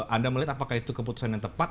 anda melihat apakah itu keputusan yang tepat